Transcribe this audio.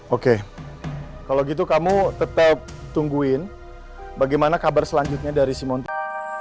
oke kalau gitu kamu tetap tungguin bagaimana kabar selanjutnya dari simonte